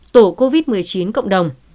tổ covid một mươi chín cộng đồng